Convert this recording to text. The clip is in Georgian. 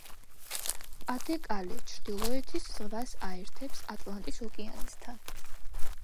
პა-დე-კალე ჩრდილოეთის ზღვას აერთებს ატლანტის ოკეანესთან.